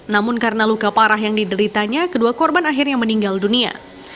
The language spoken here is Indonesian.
namun karena luka parah yang dideritanya kedua korban akhirnya meninggal dunia